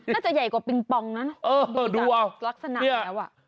น่าจะใหญ่กว่าปิงปองนะดูลักษณะอีกแล้วอ่ะโอ้ดูเอา